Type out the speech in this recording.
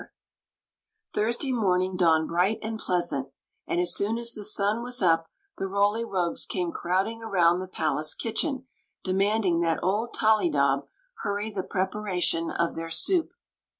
279 28o Quee n Zixi of Ix; or, the Thursday morning dawned bright and pleasant, and as soon as the sun was up the Roly Rogues came crowding around the palace kitchen, demanding that old Tollydob hurry the preparation of their soup.